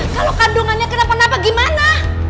kalau kandungannya kenapa napa gimana